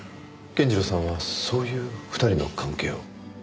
健次郎さんはそういう２人の関係を？